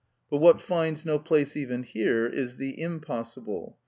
But what finds no place even here is the impossible.